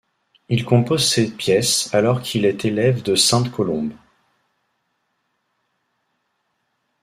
Il compose cette pièce alors qu'il est élève de Sainte-Colombe.